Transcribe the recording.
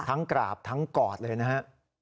กราบทั้งกอดเลยนะฮะ